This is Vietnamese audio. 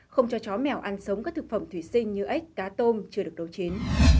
không cho chó mèo ăn sống các thực phẩm thủy sinh như ếch cá tôm chưa được nấu chín